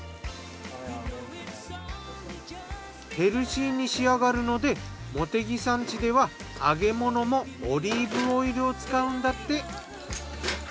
ヘルシーに仕上がるので茂木さん家では揚げ物もオリーブオイルを使うんだって。